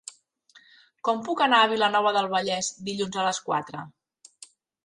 Com puc anar a Vilanova del Vallès dilluns a les quatre?